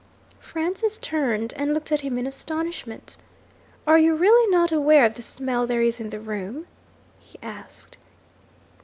Francis turned, and looked at him in astonishment. 'Are you really not aware of the smell there is in the room?' he asked.